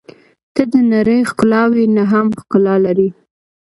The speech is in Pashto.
• ته د نړۍ ښکلاوې نه هم ښکلا لرې.